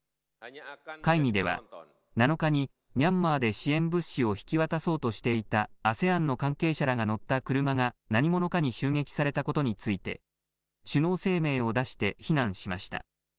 会議では７日にミャンマーで支援物資を引き渡そうとしていたＡＳＥＡＮの関係者らが乗った車が何者かに襲撃されたことについて、首脳声明を出して非難しました。